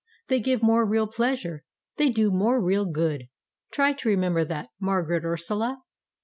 They give more real pleasure; they do more real good. Try to remember that, Margaret Ursula."